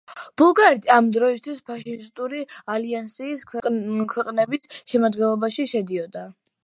ბულგარეთი ამ დროისათვის ფაშისტური ალიანსის ქვეყნების შემადგენლობაში შედიოდა.